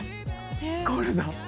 これだ！